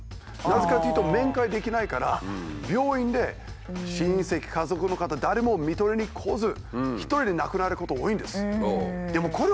なぜかっていうと面会できないから病院で親戚家族の方誰も看取りに来ず一人で亡くなること多いんです。